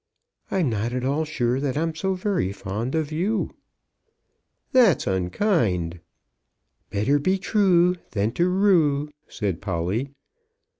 "I'm not at all sure that I'm so very fond of you." "That's unkind." "Better be true than to rue," said Polly.